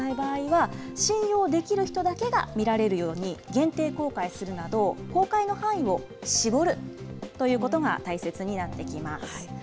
どうしてもプライベートな情報を載せたい場合は、信用できる人だけが見られるように限定公開するなど、公開の範囲を絞るということが大切になってきます。